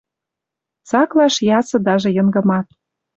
Цаклаш ясы даже Йынгымат.